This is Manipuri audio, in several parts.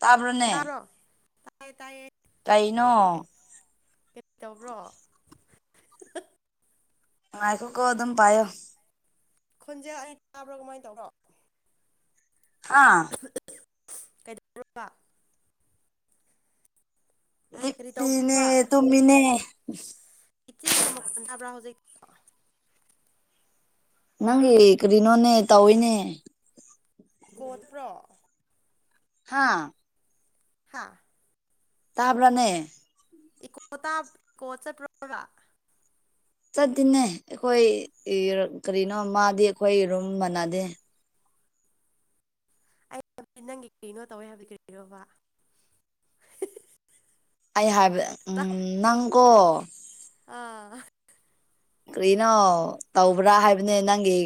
ꯇꯥꯕꯅꯦ ꯇꯥꯕ꯭ꯔꯣ ꯇꯥꯏꯌꯦ ꯇꯥꯏꯌꯦ ꯀꯩ ꯇꯧꯕ꯭ꯔꯣ ꯉꯥꯏꯈꯣ ꯀꯣ ꯑꯗꯨꯝ ꯄꯥꯏꯣ ꯈꯨꯟꯁꯦ ꯑꯩ ꯇꯥꯕ꯭ꯔꯣ ꯀꯃꯥꯏꯅ ꯇꯧꯔꯣ ꯍꯥꯥ ꯀꯩꯗꯧꯔꯕ ꯀꯔꯤ ꯂꯤꯞꯄꯤꯅꯦ ꯇꯧꯕ꯭ꯔꯣꯕ ꯇꯨꯝꯃꯤꯅꯦ ꯏꯆꯦꯒꯤ ꯃꯈꯣꯟ ꯇꯥꯕ꯭ꯔꯥ ꯍꯧꯖꯤꯛ ꯅꯪꯒꯤ ꯀꯔꯤꯅꯣꯅꯦ ꯇꯧꯋꯏꯅꯦ ꯏꯀꯣꯠꯄ꯭ꯔꯣ ꯍꯥꯥ ꯍꯥꯥ ꯇꯥꯕ꯭ꯔꯅꯦ ꯏꯀꯣ ꯏꯀꯣ ꯆꯠꯄ꯭ꯔꯣꯕ ꯆꯠꯇꯅꯦ ꯑꯩꯈꯣꯏ ꯀꯔꯤꯅꯣ ꯃꯥꯗꯤ ꯑꯩꯈꯣꯏ ꯔꯨꯝ ꯃꯥꯟꯅꯗꯦ ꯑꯩ ꯍꯥꯏꯕꯗꯤ ꯅꯪꯒꯤ ꯀꯩꯅꯣ ꯇꯧꯋꯦ ꯍꯥꯏꯕꯗꯤ ꯀꯔꯤꯔꯣꯕ ꯑꯩ ꯍꯥꯏꯕ ꯎ ꯅꯪꯀꯣ ꯑꯥ ꯀꯔꯤꯅꯣ ꯇꯧꯕ꯭ꯔꯥ ꯍꯥꯏꯕꯅꯦ ꯅꯪꯒꯤ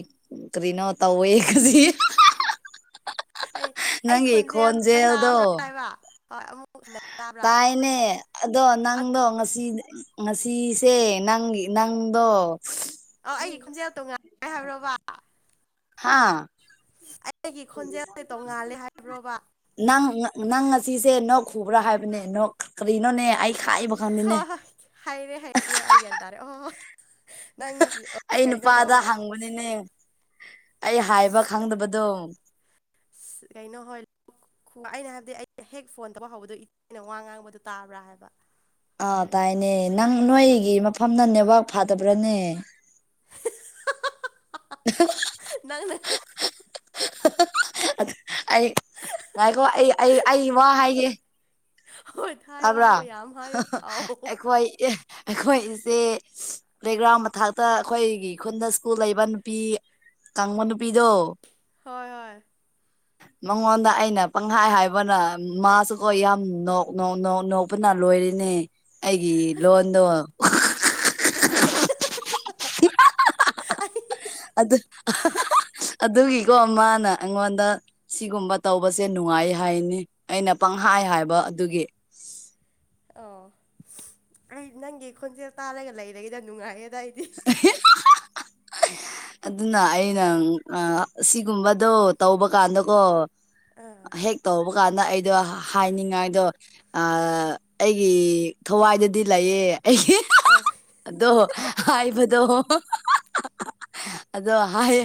ꯀꯔꯤꯅꯣ ꯇꯧꯋꯦꯗꯤ ꯑꯩ ꯑꯩ ꯅꯪꯒꯤ ꯈꯣꯟꯖꯦꯜ ꯑꯝꯇꯪ ꯈꯣꯟꯖꯦꯜꯗꯣ ꯇꯥꯕ꯭ꯔꯥ ꯍꯥꯏꯕ ꯍꯣꯏ ꯑꯃꯨꯛ ꯇꯥꯕ꯭ꯔꯥ ꯇꯥꯏꯅꯦ ꯑꯗꯣ ꯅꯪꯗꯣ ꯉꯁꯤ ꯉꯁꯤꯁꯦ ꯅꯪꯒꯤ ꯅꯪꯗꯣꯝ ꯑ ꯑꯩꯒꯤ ꯈꯣꯟꯖꯦꯜ ꯇꯣꯉꯥꯏꯉꯦ ꯍꯥꯏꯕ꯭ꯔꯣꯕ ꯍꯥꯥ ꯑꯩꯒꯤ ꯈꯣꯟꯖꯦꯜꯁꯦ ꯇꯧꯉꯥꯜꯂꯦ ꯍꯥꯏꯕ꯭ꯔꯣꯕ ꯅꯪ ꯅꯪ ꯉꯁꯤꯁꯦ ꯅꯣꯛ ꯈꯨꯕ꯭ꯔꯥ ꯍꯥꯏꯕꯅꯦ ꯅ ꯀꯔꯤꯅꯣꯅꯦ ꯑꯩ ꯈꯥꯏꯕ ꯍ ꯈꯪꯗꯦꯅꯦ ꯍꯣꯏ ꯍꯩꯔꯦ ꯍꯩꯔꯦ ꯑꯩꯒꯟ ꯇꯥꯔꯦ ꯑꯣ ꯅꯪꯁꯤ ꯑꯣ ꯑꯩ ꯀꯩꯅꯣ ꯅꯨꯄꯥꯗ ꯇꯧꯕ ꯍꯪꯕꯅꯤꯅꯦ ꯑꯩ ꯍꯥꯏꯕ ꯈꯪꯗꯕꯗꯣ ꯀꯩꯅꯣ ꯍꯣꯏꯜ ꯑꯩꯅ ꯍꯥꯏꯕꯗꯤ ꯑꯩ ꯍꯦꯛ ꯐꯣꯟ ꯇꯧꯕ ꯍꯧꯕꯗꯣ ꯏꯦꯩꯅ ꯋꯥ ꯉꯥꯡꯕꯗꯨ ꯇꯥꯕ꯭ꯔꯥ ꯍꯥꯏꯕ ꯑꯥ ꯇꯥꯏꯅꯦ ꯅꯪ ꯅꯣꯏꯒꯤ ꯃꯐꯝꯅ ꯅꯦꯠꯋꯥꯛ ꯐꯥꯗꯕ꯭ꯔꯅꯦ ꯎ ꯅꯪꯅ ꯑꯩ ꯉꯥꯏꯈꯣ ꯑꯩ ꯑꯩ ꯑꯩ ꯏꯃꯥ ꯍꯥꯏꯒꯦ ꯍꯣꯏ ꯍꯥꯏꯌꯣ ꯇꯥꯕ꯭ꯔꯥ ꯍꯥꯏꯌꯣ ꯌꯥꯝ ꯍꯥꯏꯌꯣ ꯑꯥꯎ ꯑꯩꯈꯣꯏ ꯑꯩꯈꯣꯏ ꯏꯁꯦ ꯄ꯭ꯂꯦꯒ꯭ꯔꯥꯎꯟ ꯃꯊꯥꯛꯇ ꯑꯩꯈꯣꯏꯒꯤ ꯈꯨꯟꯗ ꯁ꯭ꯀꯨꯜ ꯂꯩꯕ ꯅꯨꯄꯤ ꯀꯥꯡꯪꯕ ꯅꯨꯄꯤꯗꯣ ꯍꯣꯏ ꯍꯣꯏ ꯃꯉꯣꯟꯗ ꯑꯩꯅ ꯄꯪꯈꯥꯏ ꯍꯥꯏꯕꯅ ꯃꯥꯁꯨꯀꯣ ꯌꯥꯝ ꯅꯣꯛ ꯅꯣꯛ ꯅꯣꯛ ꯅꯣꯛ ꯄꯨꯟꯅ ꯂꯣꯏꯔꯤꯅꯦ ꯑꯩꯒꯤ ꯂꯣꯟꯗꯣ ꯑꯗꯨꯒꯤꯀꯣ ꯃꯥꯅ ꯑꯩꯉꯣꯟꯗ ꯁꯤꯒꯨꯝꯕ ꯇꯧꯕꯁꯦ ꯅꯨꯡꯉꯥꯏ ꯍꯥꯏꯅꯤ ꯑꯩꯅ ꯄꯪꯍꯥꯏ ꯍꯥꯏꯕ ꯑꯗꯨꯒꯤ ꯑꯣ ꯑꯩ ꯅꯪꯒꯤ ꯈꯣꯟꯖꯦꯜ ꯇꯥꯜꯂꯒ ꯂꯩꯔꯒꯤꯗ ꯅꯨꯡꯉꯥꯏꯌꯦꯗ ꯑꯩꯗꯤ ꯍꯦ ꯑꯗꯨꯅ ꯑꯩꯅ ꯑꯁꯤꯒꯨꯝꯕꯗꯣ ꯇꯧꯕ ꯀꯥꯟꯗꯀꯣ ꯑꯥ ꯍꯦꯛ ꯇꯧꯕ ꯀꯥꯟꯗ ꯑꯩꯗꯣ ꯍꯥꯏꯅꯤꯡꯉꯥꯏꯗꯣ ꯑꯩꯒꯤ ꯊꯋꯥꯏꯗꯗꯤ ꯂꯩꯌꯦ ꯑꯩꯒꯤ ꯑꯐ ꯑꯗꯣ ꯍꯥꯏꯕꯗꯣ ꯑꯗꯣ ꯍꯥꯏꯌꯦ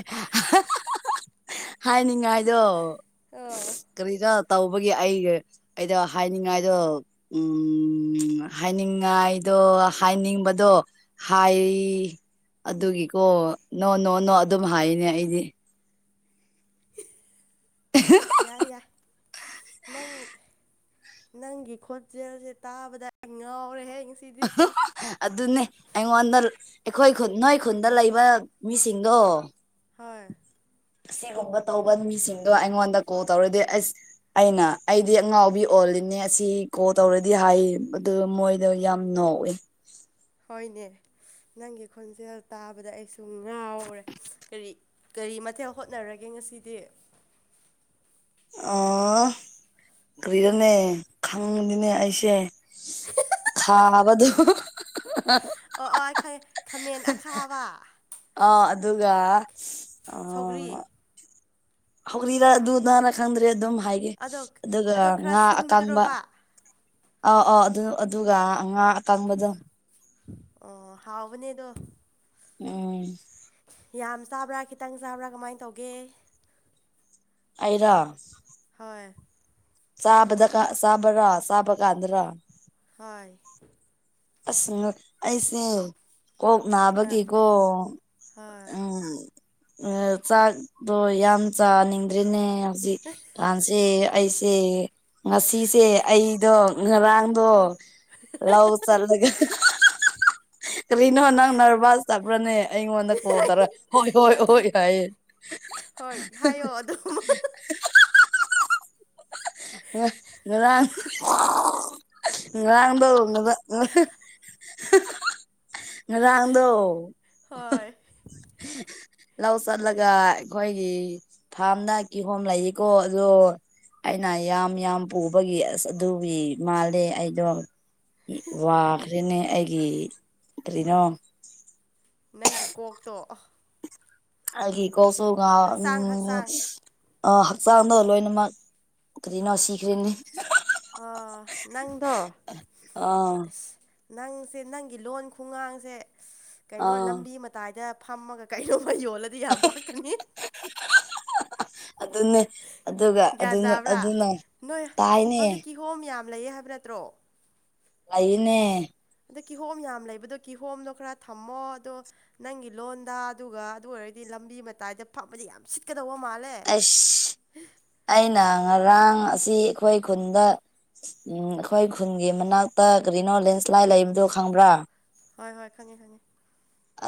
ꯍꯥꯏꯅꯤꯡꯉꯥꯏꯗꯣ ꯑ ꯀꯔꯤꯗ ꯇꯧꯕꯒꯤ ꯑꯩ ꯑꯩꯗ ꯍꯥꯏꯅꯤꯡꯉꯥꯏꯗꯣ ꯎꯝ ꯍꯥꯏꯅꯤꯡꯉꯥꯏꯗꯣ ꯍꯥꯏꯅꯤꯡꯕꯗꯣ ꯍꯥꯏꯔꯤ ꯑꯗꯨꯒꯤꯀꯣ ꯅꯣ ꯅꯣ ꯅꯣ ꯑꯗꯨꯝ ꯍꯥꯏꯔꯤꯅꯦ ꯑꯩꯗꯤ [unintelligible] ꯌꯥꯏ ꯌꯥꯏ ꯅꯪ ꯅꯪꯒꯤ ꯈꯣꯖꯦꯜꯁꯦ ꯇꯥꯕꯗ ꯉꯥꯎꯔꯦ ꯍꯦꯛ ꯑ ꯑꯗꯨꯅꯦ ꯑꯩꯉꯣꯟꯗ ꯑꯩꯈꯣꯏ ꯈꯨꯟ ꯅꯣꯏ ꯈꯨꯟꯗ ꯂꯩꯕ ꯃꯤꯁꯤꯡꯗꯣ ꯍꯣꯏ ꯑꯁꯤꯒꯨꯝꯕ ꯇꯧꯕ ꯃꯤꯁꯤꯡꯗꯣ ꯑꯩꯉꯣꯟꯗ ꯀꯣꯜ ꯇꯧꯔꯗꯤ ꯑꯁ ꯑꯩꯅ ꯑꯩꯗꯤ ꯑꯉꯥꯎꯕꯤ ꯑꯣꯜꯂꯤꯅꯦ ꯑꯁꯤ ꯀꯣꯜ ꯇꯧꯔꯗꯤ ꯍꯥꯏ ꯑꯗꯨ ꯃꯣꯏꯗ ꯌꯥꯝ ꯅꯣꯛꯋ‌ꯦ ꯍꯣꯏꯅꯦ ꯅꯪꯒꯤ ꯈꯣꯟꯖꯦꯜ ꯇꯥꯕꯗ ꯑꯩꯁꯨ ꯉꯥꯎꯔꯦ ꯀꯔꯤ ꯀꯔꯤ ꯃꯊꯦꯜ ꯍꯣꯠꯅꯔꯒꯦ ꯉꯁꯤꯗꯤ ꯑꯥ ꯀꯔꯤꯔ‌ꯣꯅꯦ ꯈꯪꯗ‌ꯦꯅꯦ ꯑꯩꯁꯦ ꯊꯥꯅꯕꯗꯤ [unintelligible] ꯑꯣ ꯑꯣ ꯑꯩ ꯈꯪꯉ‌ꯦ ꯈꯥꯃꯦꯟ ꯑꯈꯥꯕ ꯑ ꯑꯗꯨꯒ ꯑ ꯁꯧꯒ꯭ꯔꯤ ꯍꯧꯔꯤꯗ ꯑꯗꯨꯅꯔꯥ ꯈꯪꯗ꯭ꯔꯦ ꯑꯗꯨꯝ ꯍꯥꯏ ꯑꯗꯣ ꯑꯗꯨꯒ ꯑꯗꯣ ꯈꯔ ꯉꯥ ꯑꯀꯥꯡꯕ ꯁꯤꯟꯕꯗꯨꯔꯣꯕ ꯑꯧ ꯑꯧ ꯑꯗꯨ ꯑꯗꯨꯒ ꯉꯥ ꯑꯀꯪꯕꯗꯣ ꯑꯣ ꯍꯥꯎꯕꯅꯦꯗꯣ ꯎꯝ ꯌꯥꯝ ꯆꯥꯕ꯭ꯔꯥ ꯈꯤꯇꯪ ꯆꯥꯕ꯭ꯔꯥ ꯀꯃꯥꯏꯅ ꯇꯧꯒꯦ ꯑꯩꯔ‌ꯣ ꯍꯣꯏ ꯆꯥꯕꯗ ꯀ ꯆꯥꯕ ꯔ ꯆꯥꯕ ꯀꯥꯟꯗꯔꯥ ꯍꯣꯏ ꯑꯁ ꯉꯛ ꯑꯩꯁꯦ ꯀꯣꯛ ꯑꯥ ꯅꯥꯕꯒꯤꯀꯣ ꯍꯣꯏ ꯎꯝ ꯆꯥꯛꯗꯣ ꯌꯥꯝ ꯆꯥꯅꯤꯡꯗ꯭ꯔ‌ꯦꯅꯦ ꯍꯧꯖꯤꯛ ꯀꯥꯟꯁꯦ ꯑꯩꯁꯦ ꯉꯁꯤꯁꯦ ꯑꯩꯗꯣ ꯉꯔꯥꯡꯗꯣ ꯂꯧ ꯆꯠꯂꯒ ꯀꯔꯤꯅꯣ ꯅꯪ ꯅꯔꯚꯁ ꯆꯠꯄ꯭ꯔꯅꯦ ꯑꯩꯉꯣꯟꯗ ꯀꯣꯜ ꯇꯧꯔꯦ ꯍꯣꯏ ꯍꯣꯏ ꯅꯠꯇꯦ ꯍꯣꯏ ꯍꯥꯏꯌꯦ ꯍꯣꯏ ꯍꯥꯏꯌꯣ ꯑꯗꯨꯝ [unintelligible] ꯅꯨꯔꯥꯡ [unintelligible] ꯉꯔꯥꯡꯗꯣ ꯉ [unintelligible] ꯉꯔꯥꯡꯗꯣ ꯍꯣꯏ ꯂꯧ ꯆꯠꯂꯒ ꯑꯩꯈꯣꯏꯒꯤ ꯐꯥꯔꯝꯗ ꯀꯤꯍꯣꯝ ꯂꯩꯌꯦꯀꯣ ꯑꯗꯣ ꯑꯩꯅ ꯌꯥꯝ ꯌꯥꯝ ꯄꯨꯕꯒꯤ ꯑꯁ ꯑꯗꯨꯒꯤ ꯃꯥꯂꯦ ꯑꯩꯗꯣ ꯋꯥꯈ꯭ꯔꯦꯅꯦ ꯑꯩꯒꯤ ꯀꯔꯤꯅꯣ ꯅꯪꯒꯤ ꯀꯣꯛꯇꯣ ꯑ ꯑꯩꯒꯤ ꯀ‌ꯣꯛꯁꯨ ꯉꯥꯎ ꯍꯛꯆꯥꯡ ꯎꯝ ꯍꯛꯆꯥꯡ ꯑ ꯍꯛꯆꯥꯡꯗ‌ꯣ ꯂꯣꯏꯅꯃꯛ ꯀꯔꯤꯅꯣ ꯁꯤꯈ꯭ꯔꯦꯅꯤ ꯑꯣ ꯅꯪꯗꯣ ꯑꯥ ꯑꯁ ꯅꯪꯁꯦ ꯅꯪꯒꯤ ꯂꯣꯟ ꯈꯨꯡꯉꯥꯡꯁꯦ ꯀꯩꯅꯣ ꯑꯥ ꯂꯝꯕꯤ ꯃ ꯇꯥꯏꯗ ꯐꯝꯃꯒ ꯀꯩꯅꯣꯝꯃ ꯌꯣꯜꯂꯗꯤ ꯌꯥꯝ ꯄꯛꯀꯅꯤ [unintelligible] ꯑꯗꯨꯅꯦ ꯑꯗꯨꯒ ꯒ꯭ꯌꯥꯟ ꯑꯗꯨꯅ ꯑꯗꯨꯅ ꯇꯥꯏꯅꯦ ꯀꯤꯍ‌ꯣꯝ ꯌꯥꯝ ꯂꯩꯌꯦ ꯍꯥꯏꯕ ꯅꯠꯇ꯭ꯔꯣ ꯑꯩꯏꯅꯦ ꯑꯗ ꯀꯤꯍꯣꯝ ꯌꯥꯝ ꯂꯩꯕꯗꯣ ꯀꯤꯍꯣꯝꯗꯣ ꯈꯔ ꯊꯝꯃꯣ ꯑꯗꯣ ꯅꯪꯒꯤ ꯂꯣꯟꯗ ꯑꯗꯨꯒ ꯑꯗꯨ ꯑꯣꯏꯔꯗꯤ ꯂꯝꯕꯤ ꯃꯇꯥꯏꯗ ꯐꯝꯕꯗꯤ ꯌꯥꯝ ꯁꯤꯠꯀꯗꯧꯕ ꯃꯥꯜꯂꯦ ꯑꯁ ꯑꯩꯅ ꯉꯔꯥꯡ ꯑꯁꯤ ꯑꯩꯈꯣꯏ ꯈꯨꯟꯗ ꯎꯝ ꯑꯩꯈꯣꯏ ꯈꯨꯟꯒꯤ ꯃꯅꯥꯛꯇ ꯀꯔꯤꯅꯣ ꯂꯦꯟꯁ꯭ꯂꯥꯏ ꯂꯩꯕꯗꯣ ꯈꯪꯕ꯭ꯔꯥ ꯍꯣꯏ ꯍꯣꯏ ꯈꯪꯉ‌ꯦ ꯈꯪꯉ‌ꯦ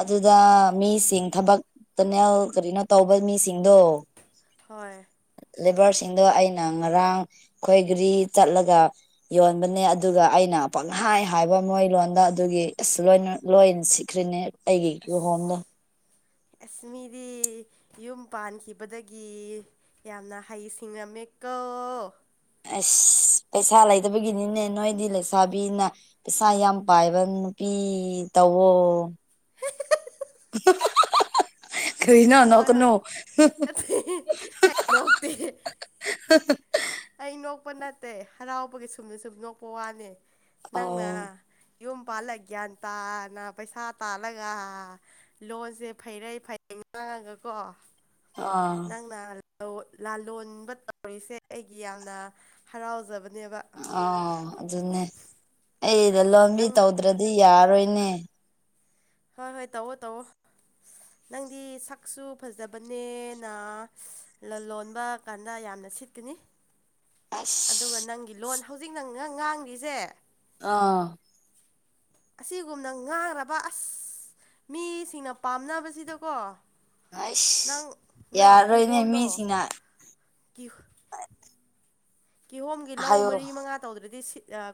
ꯑꯗꯨꯗ ꯃꯤꯁꯤꯡ ꯊꯕꯛ ꯀꯅꯦ ꯀꯔꯤꯅꯣ ꯇꯧꯕ ꯃꯤꯁꯤꯡꯗꯣ ꯍꯣꯏ ꯂꯦꯕꯔꯁꯤꯡꯗꯣ ꯑꯩꯅ ꯉꯔꯥꯡ ꯈꯣꯏꯒꯔꯤ ꯆꯠꯂꯒ ꯌꯣꯟꯕꯅꯦ ꯑꯗꯨꯒ ꯑꯩꯅ ꯄꯪꯍꯥꯏ ꯍꯥꯏꯕ ꯃꯣꯏ ꯂꯣꯟꯗ ꯑꯗꯨꯒꯤ ꯑꯁ ꯂꯣꯏꯅ ꯂꯣꯏꯅ ꯁꯤꯈ꯭ꯔꯤꯅꯦ ꯑꯩꯒꯤꯒꯤꯨ ꯍꯣꯝꯗ ꯑꯦꯁꯃꯤꯗꯤ ꯌꯨꯝ ꯄꯥꯟꯈꯤꯕꯗꯒꯤ ꯌꯥꯝꯅ ꯍꯩ ꯁꯤꯡꯉꯝꯃꯦꯀꯣ ꯑꯁ ꯄꯩꯁꯥ ꯂꯩꯇꯕꯒꯤꯅꯤꯅꯦ ꯅꯣꯏꯗꯤ ꯂꯩꯁꯥꯕꯤꯅ ꯄꯩꯁꯥ ꯌꯥꯝ ꯄꯥꯏꯕ ꯅꯨꯄꯤ ꯇꯧꯋꯣ [unintelligible] ꯀꯅ ꯅꯣꯛ ꯍꯣꯏ ꯍꯣꯏ ꯀꯅꯣ ꯅꯠꯇꯦ ꯑꯩ ꯅꯣꯛꯇꯦ ꯑ ꯑꯩ ꯅꯣꯛꯄ ꯅꯠꯇꯦ ꯍꯔꯥꯎꯕꯒꯤ ꯁꯨꯝꯅ ꯁꯨꯝ ꯅꯣꯛꯄ ꯋꯥꯅꯤ ꯅꯪꯅ ꯑꯧ ꯌꯨꯝ ꯄꯥꯜꯂ ꯌꯥ ꯇꯥꯅ ꯄꯩꯁꯥ ꯇꯥꯂꯒ ꯂꯣꯟꯁꯦ ꯐꯩꯔꯩ ꯐꯩ ꯃꯥꯡꯉꯒꯀꯣ ꯑꯥ ꯅꯪꯅ ꯂꯥꯂꯣꯟꯕ ꯇꯧꯔꯤꯁꯦ ꯑꯩꯒꯤ ꯌꯥꯝꯅ ꯍꯔꯥꯎꯖꯕꯅꯦꯕ ꯑ ꯑꯗꯨꯅꯦ ꯑꯩꯗ ꯂꯣꯟꯕꯤ ꯅꯪ ꯇꯧꯗ꯭ꯔꯗꯤ ꯌꯥꯔꯣꯏꯅꯦ ꯍꯣꯏ ꯍꯣꯏ ꯇꯧꯑꯣꯣ ꯇꯧꯑꯣꯣ ꯅꯪꯗꯤ ꯁꯛꯁꯨ ꯐꯖꯕꯅꯦꯅ ꯂꯣꯟꯕ ꯀꯥꯟꯗ ꯌꯥꯝꯅ ꯁꯤꯠꯀꯅꯤ ꯑꯁ ꯑꯗꯨꯒ ꯅꯪꯒꯤ ꯂꯣꯟ ꯍꯧꯖꯤꯛ ꯅꯪ ꯉꯥꯡꯂꯤꯁꯦ ꯑꯥ [inaudible] ꯑꯁꯤꯒꯨꯝꯅ ꯉꯥꯡꯔꯕ ꯑꯁ ꯃꯤꯁꯤꯡꯅ ꯄꯥꯝꯅꯕꯁꯤꯗꯀꯣ ꯅꯪ ꯑꯩꯁ ꯅꯣꯏ ꯌꯥꯔꯔꯣꯏꯅꯦ ꯀꯤꯍꯣꯝꯗꯣ ꯃꯤꯁꯤꯡꯅ ꯀꯤꯍꯣꯝꯒꯤ ꯂꯧ ꯍꯥꯏꯌꯣ ꯃꯔꯤ ꯃꯉꯥ ꯇꯧꯗ꯭ꯔꯗꯤꯠ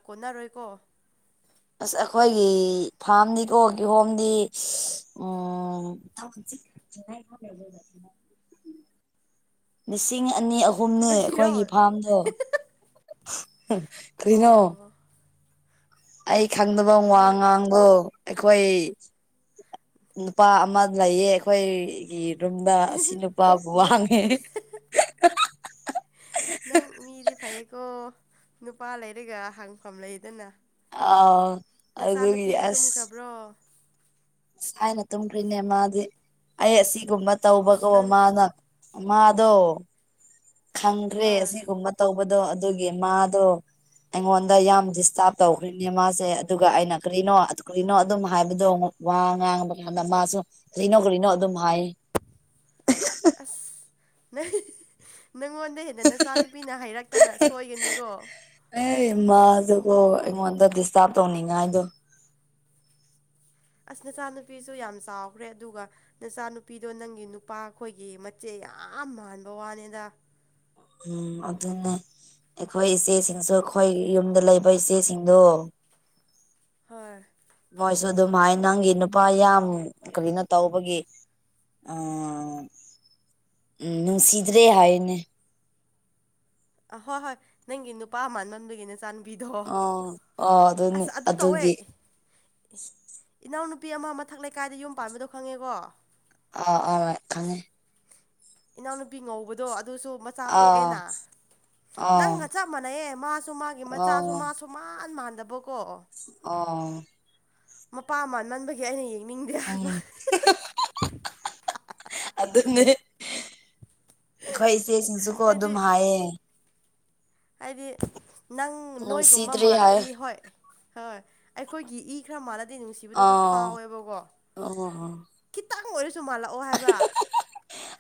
ꯀꯣꯟꯅꯔꯣꯏꯀꯣ ꯑꯁ ꯑꯩꯈꯣꯏꯒꯤ ꯐꯥꯔꯝꯗꯤ ꯀꯣ ꯀ ꯍꯣꯝꯗꯤ ꯎꯝ ꯂꯤꯁꯤꯡ ꯑꯅꯤ ꯑꯍꯨꯝ ꯑꯨꯝꯅꯦ ꯀꯔꯤꯔꯣ ꯑꯩꯈꯣꯏꯒꯤ ꯐꯥꯔꯝꯗꯣ ꯀꯅꯣ ꯑꯣ ꯑꯩ ꯈꯪꯗꯕ ꯋꯥ ꯅꯪ ꯉꯥꯡꯕ ꯑꯣ ꯑꯩꯈꯣꯏ ꯅꯨꯄꯥ ꯑꯃ ꯂꯩꯌꯦ ꯑꯩꯈꯣꯏꯒꯤ ꯑꯗꯨꯝꯗ ꯑꯁꯤ ꯅꯨꯄꯥꯕꯨ ꯋꯥꯡꯉꯤ ꯅꯪ ꯃꯤꯗꯤ ꯐꯩꯌꯦꯀꯣ ꯅꯨꯄꯥ ꯂꯩꯔꯒ ꯍꯪꯐꯝ ꯂꯩꯗꯅ ꯑꯥꯎ ꯑꯗꯨꯒꯤ ꯅꯆꯥꯅꯨꯄꯤꯗꯤ ꯇꯨꯝꯈ꯭ꯔꯕ꯭ꯔꯣ ꯊꯥꯏꯅ ꯇꯨꯝꯈ꯭ꯔꯤꯅꯦ ꯃꯥꯗꯤ ꯑꯩ ꯑꯁꯤꯒꯨꯝꯕ ꯑꯁ ꯇꯧꯕꯀꯣ ꯅꯪ ꯃꯥꯅ ꯑꯗꯣ ꯈꯪꯈ꯭ꯔꯦ ꯍꯣꯏ ꯑꯁꯤꯒꯨꯝꯕ ꯇꯧꯕꯗꯣ ꯑꯗꯨꯒꯤ ꯃꯥꯗꯣ ꯑꯩꯉꯣꯟꯗ ꯌꯥꯝ ꯗꯤꯁꯇꯥꯔꯕ ꯇꯧꯈ꯭ꯔꯤꯅꯦ ꯃꯥꯁꯦ ꯑꯗꯨꯒ ꯑꯩꯅ ꯀꯔꯤꯅꯣ ꯀꯔꯤꯅꯣ ꯑꯗꯨꯝ ꯍꯥꯏꯕꯗꯣ ꯑꯃꯨꯛ ꯋꯥ ꯉꯥꯡꯕ ꯀꯥꯟꯗ ꯃꯥꯁꯨ ꯀꯔꯤꯅꯣ ꯀꯔꯤꯅꯣ ꯑꯗꯨꯝ ꯍꯥꯏ ꯑꯁ ꯅ ꯅꯪꯉꯣꯟꯗ ꯑꯗ ꯅꯆꯥꯅꯨꯄꯤꯅ ꯍꯥꯏꯩꯔꯛꯇꯅ ꯁꯣꯏꯒꯅꯤꯀꯣ ꯑꯦ ꯏꯃꯗꯨꯒꯣ ꯑꯩꯉꯣꯟꯗ ꯗꯤꯁꯇꯥꯔꯕ ꯇꯧꯅꯤꯡꯉꯥꯏꯗꯣ ꯑꯁ ꯅꯆꯥꯅꯨꯄꯤꯁꯨ ꯌꯥꯝ ꯆꯥꯎꯈ꯭ꯔꯦ ꯑꯗꯨꯒ ꯅꯆꯥꯅꯨꯄꯤꯗꯣ ꯅꯪꯒꯤ ꯅꯨꯄꯥ ꯑꯩꯈꯣꯏꯒꯤ ꯃꯆꯦ ꯌꯥꯝ ꯃꯥꯟꯕ ꯋꯥꯅꯦꯗ ꯎꯝ ꯑꯗꯨꯅꯦ ꯑꯩꯈꯣꯏ ꯏꯆꯦꯁꯤꯡꯁꯨ ꯑꯩꯈꯣꯏ ꯌꯨꯝꯗ ꯂꯩꯕ ꯏꯆꯦꯁꯤꯡꯗꯣ ꯍꯣꯏ ꯃꯣꯏꯁꯨ ꯑꯗꯨꯝ ꯍꯥꯏ ꯅꯪꯒꯤ ꯅꯨꯄꯥ ꯌꯥꯝ ꯀꯔꯤꯅꯣ ꯇꯧꯕꯒꯤ ꯑ ꯎꯝ ꯅꯨꯡ ꯁꯤꯗꯔꯦ ꯍꯥꯏꯅꯦ ꯑ ꯍꯣꯏ ꯍꯣꯏ ꯅꯪꯒꯤ ꯅꯨꯄꯥ ꯑꯃꯥꯟꯕꯗꯨꯗꯒꯤꯅꯦ ꯆ ꯑꯣ ꯑꯣ ꯑ ꯑꯗꯨꯅꯤ ꯑꯗꯨ ꯇꯧꯋꯦ ꯑꯗꯨꯒꯤ ꯏꯅꯥꯎꯅꯨꯄꯤ ꯑꯃ ꯃꯊꯛ ꯂꯩꯀꯥꯏꯗ ꯌꯨꯝ ꯄꯥꯟꯕꯗꯣ ꯈꯪꯉꯦꯀꯣ ꯑ ꯑ ꯈꯪꯉꯦ ꯏꯅꯥꯎꯅꯨꯄꯤ ꯉꯧꯕꯗꯣ ꯑꯗꯨꯁꯨ ꯃꯆꯥ ꯑꯥ ꯄꯣꯛꯑꯦꯅ ꯑꯥ ꯅꯪꯒ ꯆꯞ ꯃꯥꯟꯅꯩꯌꯦ ꯃꯥꯁꯨ ꯃꯥꯒꯤ ꯃꯆꯥꯁꯨ ꯃꯥꯁꯨ ꯃꯥꯟ ꯃꯥꯟꯗꯕꯀꯣ ꯑꯣ ꯃꯄꯥ ꯑꯃ ꯅꯟꯕꯒꯤ ꯑꯩꯅ ꯌꯦꯡꯅꯤꯡꯗꯦ ꯍꯥꯏꯕ ꯑꯗꯨꯗꯅ ꯑꯩꯈꯣꯏ ꯏꯆꯦꯁꯤꯡꯁꯨꯀꯣ ꯑꯗꯨꯝ ꯍꯥꯏꯗꯤ ꯍꯥꯏꯌꯦ ꯍꯥꯏꯗꯤ ꯅꯪ ꯅꯣꯏꯒꯨꯝꯕ ꯅꯨꯡꯁꯤꯗ꯭ꯔꯦ ꯍꯥꯏ ꯃꯥꯜꯂꯗꯤ ꯍꯣꯏ ꯍꯣꯏ ꯑꯩꯈꯣꯏꯒꯤ ꯏ ꯈꯔ ꯃꯥꯥꯟꯅꯗꯦ ꯅꯨꯡꯁꯤꯕꯗꯣ ꯈꯔ ꯑꯥ ꯐꯥꯎꯋꯦꯕꯀꯣ ꯑꯣ ꯈꯤꯇꯪ ꯑꯣꯏꯔꯁꯨ ꯃꯥꯜꯂꯛꯑꯣ ꯍꯥꯏꯕ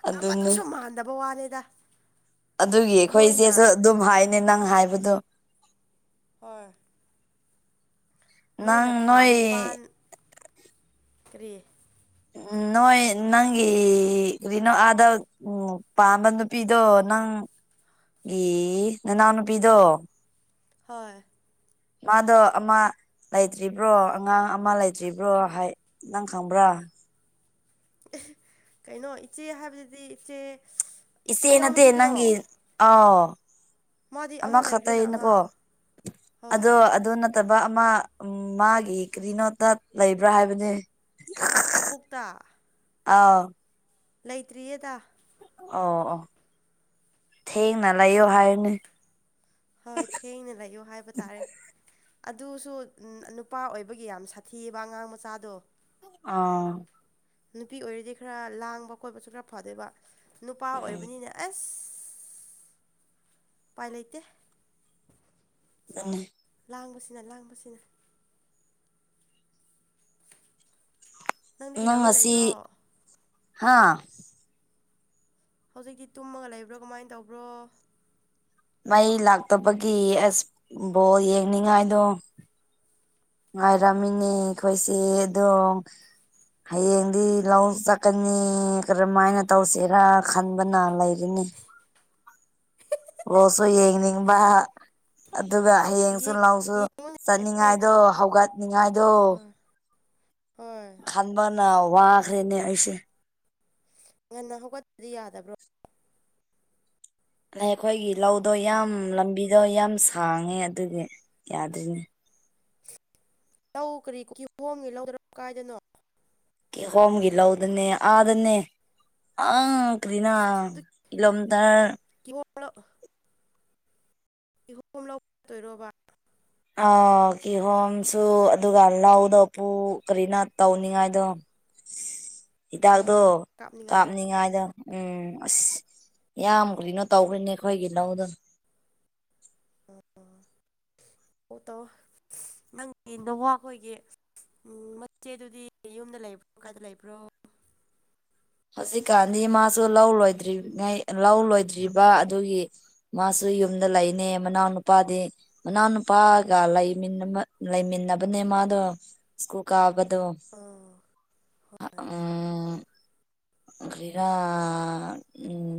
ꯑꯗꯨꯅꯦ ꯑꯃꯇꯁꯨ ꯃꯥꯟꯗꯕ ꯋꯥꯅꯤꯗ ꯑꯗꯨꯒꯤ ꯅꯣꯏꯅ ꯑꯩꯈꯣꯏꯁꯦꯁꯨ ꯑꯗꯨꯝ ꯍꯥꯏꯅꯦ ꯅꯪ ꯍꯥꯏꯕꯗꯣ ꯍꯣꯏ ꯅꯪ ꯅꯣꯏꯅ ꯊꯥ ꯅꯣꯏ ꯅꯤꯄꯥꯥꯟ ꯀꯔꯤ ꯎꯝ ꯅꯣꯏ ꯅꯪꯤꯔꯤꯅꯣ ꯑ ꯎꯝ ꯄꯥꯝꯕ ꯅꯨꯄꯤꯗꯣ ꯅꯪꯒꯤ ꯅꯅꯥꯎ ꯅꯨꯄꯤꯗꯣ ꯍꯣꯏ ꯃꯥꯗꯣ ꯑꯃ ꯂꯩꯇ꯭ꯔꯤꯕ꯭ꯔꯣ ꯑꯉꯥꯡ ꯑꯃ ꯂꯩꯇ꯭ꯔꯤꯕ꯭ꯔꯣ ꯍꯥꯏ ꯅꯪꯈꯥꯡꯕ꯭ꯔꯥ ꯀꯩꯅꯣ ꯏꯆꯦ ꯍꯥꯏꯕꯗꯗꯤ ꯏꯆꯦ ꯏꯆꯦ ꯅꯠꯇ ꯏꯅꯥꯎꯅꯨꯄꯤꯗꯨꯔꯣ ꯅꯪꯒꯤꯤ ꯑ ꯃꯥꯗꯤ ꯑꯃ ꯂꯩꯈ꯭ꯔꯦꯅ ꯈꯛꯇꯩꯅꯀꯣ ꯑꯉꯥꯡ ꯑꯗꯣ ꯍꯣꯏ ꯑꯗꯨ ꯐꯠꯇꯕ ꯑꯃ ꯃꯥꯒꯤ ꯀꯔꯤꯅꯣꯗ ꯂꯩꯕ꯭ꯔꯥ ꯍꯥꯏꯕꯅꯤ ꯃꯀꯣꯛꯇꯥ ꯑꯥꯎ ꯂꯩꯇ꯭ꯔꯤꯌꯦꯗ ꯑꯣ ꯑꯣ ꯊꯦꯡꯅ ꯂꯩꯌꯣ ꯍꯥꯏꯔꯅꯦ ꯍꯣꯏ ꯊꯦꯡꯅ ꯂꯩꯌꯣ ꯍꯥꯏꯕ ꯇꯥꯔꯦ ꯑꯗꯨꯁꯨ ꯅꯨꯄꯥ ꯑꯣꯏꯕꯒꯤ ꯌꯥꯝ ꯁꯥꯊꯤꯑꯕ ꯑꯉꯥꯡ ꯃꯆꯥꯗꯣ ꯑꯥ ꯅꯨꯄꯤ ꯑꯣꯏꯔꯗꯤ ꯈꯔ ꯂꯥꯡꯕ ꯈꯣꯠꯄꯁꯨ ꯈꯔ ꯐꯗꯣꯏꯕ ꯅꯨꯄꯥ ꯑꯣꯏꯕꯅꯤꯅꯦ ꯑꯁ ꯄꯥꯏ ꯂꯩꯇ ꯎ ꯂꯥꯡꯕꯁꯤꯅ ꯂꯥꯡꯕꯁꯤꯅ ꯅꯪꯗꯤ ꯅꯪ ꯀꯩꯗꯧꯔꯒ ꯉꯁꯤ ꯂꯩꯕ꯭ꯔꯣ ꯍꯥꯥ ꯍꯧꯖꯤꯛꯇꯤ ꯇꯨꯝꯃꯒ ꯂꯩꯕ꯭ꯔꯣ ꯀꯃꯥꯏꯅ ꯇꯧꯕ꯭ꯔꯣ ꯃꯩ ꯂꯥꯛꯇꯕꯒꯤ ꯑꯦꯁꯕꯣꯜ ꯌꯦꯡꯅꯤꯡꯉꯥꯏꯗꯣ ꯉꯥꯏꯔꯝꯃꯤꯅꯦ ꯑꯩꯈꯣꯏꯁꯦ ꯑꯗꯨꯝ ꯍꯌꯦꯡꯗꯤ ꯂꯧ ꯆꯠꯀꯅꯤ ꯀꯔꯝꯃꯥꯏꯅ ꯇꯧꯁꯤꯔꯥ ꯈꯟꯕꯅ ꯂꯩꯔꯤꯅꯤ ꯑꯣꯁꯨ ꯌꯦꯡꯅꯤꯡꯕ ꯑꯗꯨꯒ ꯍꯌꯦꯡꯁꯨ ꯌꯦꯡ ꯂꯧꯁꯨ ꯌꯦꯡꯉꯨꯅꯦ ꯑꯩꯈꯣꯏ ꯆꯠꯅꯤꯡꯉꯥꯏꯗꯣ ꯍꯧꯒꯠꯅꯤꯡꯉꯥꯏꯗꯣ ꯍꯣꯏ ꯍꯣꯏ ꯈꯟꯕꯅ ꯋꯥꯈ꯭ꯔꯦꯅꯦ ꯑꯩꯁꯦ ꯉꯟꯅ ꯍꯧꯒꯠꯇ꯭ꯔꯗꯤ ꯌꯥꯗꯕ꯭ꯔꯣ ꯑꯩꯈꯣꯏꯒꯤ ꯂꯧꯗꯣ ꯌꯥꯝ ꯂꯝꯕꯤꯗꯣ ꯌꯥꯝ ꯁꯥꯡꯉꯦ ꯑꯗꯨꯒꯤ ꯌꯥꯗꯣꯏꯅꯦ ꯂꯧ ꯀꯔꯤ ꯀꯨꯀꯤ ꯍꯣꯡꯉꯦ ꯂꯧꯗ꯭ꯔꯣ ꯀꯥꯏꯗꯅꯣ꯫ ꯀꯤ ꯍꯣꯝꯒꯤ ꯂꯧꯗꯅꯦ ꯑꯥꯗꯅꯦ ꯑ ꯀꯔꯤꯅꯣ ꯑꯗꯨ ꯀꯤꯂꯣ ꯃꯤꯏꯔ [unintelligible] ꯏꯍꯣꯝ ꯂꯧꯗꯣꯏꯔꯣꯕꯥ ꯑꯥ ꯀꯤꯍꯣꯝꯁꯨ ꯑꯗꯨꯒ ꯂꯧꯗ ꯄꯨꯨ ꯀꯔꯤꯅꯣ ꯇꯧꯅꯤꯡꯉꯥꯏꯗꯣ [inaudible] ꯍꯤꯗꯥꯛꯇꯣ ꯍꯣꯏ ꯍꯤꯗꯥꯛ ꯀꯥꯞꯅꯤꯡꯉꯥꯏꯔꯣ ꯀꯥꯞꯅꯤꯡꯉꯥꯏꯗꯣ ꯍꯣꯏ ꯎꯝ ꯑꯁ ꯌꯥꯝ ꯐꯩꯌꯦ ꯀꯔꯤꯅꯣ ꯇꯧꯒꯔꯦꯅꯦ ꯑꯩꯈꯣꯏꯒꯤ ꯂꯧꯗꫭ ꯑꯣ ꯑꯣ ꯇꯧ ꯅꯪꯒꯤ ꯅꯋꯥ ꯈꯣꯏꯒꯤ ꯎꯝ ꯃꯆꯦꯗꯨꯗꯤ ꯌꯨꯝꯗ ꯂꯩꯕ꯭ꯔꯣ ꯀꯥꯏꯗ ꯂꯩꯕ꯭ꯔꯣ ꯍꯧꯖꯤꯛꯀꯥꯟꯗꯤ ꯃꯥꯁꯨ ꯂꯧ ꯂꯣꯏꯗ꯭ꯔꯤꯉꯩ ꯂꯧ ꯂꯣꯏꯗ꯭ꯔꯤꯕ ꯑꯗꯨꯒꯤ ꯃꯥꯁꯨ ꯌꯨꯝꯗ ꯂꯩꯅꯦ ꯃꯅꯥꯎꯅꯨꯄꯥꯗꯤ ꯃꯅꯥꯎ ꯅꯨꯄꯥꯒ ꯂꯩꯃꯤꯟꯅꯕ ꯂꯩꯃꯤꯟꯅꯕꯅꯦ ꯃꯥꯗꯣ ꯏꯁ꯭ꯀꯨꯜ ꯀꯥꯕ ꯑꯗꯣ ꯑꯣ ꯑ ꯍꯣꯏ ꯎꯝ ꯀꯔꯤꯔ ꯎꯝ